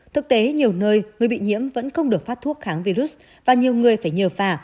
thực tế nhiều nơi người bị nhiễm vẫn không được phát thuốc kháng virus và nhiều người phải nhờ phà